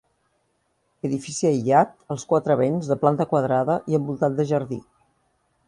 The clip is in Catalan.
Edifici aïllat als quatre vents de planta quadrada i envoltat de jardí.